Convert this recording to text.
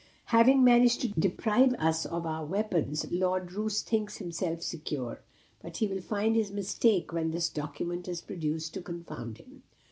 Having managed to deprive us of our weapons, Lord Roos thinks himself secure. But he will find his mistake when this document is produced to confound him."